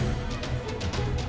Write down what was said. api di jogja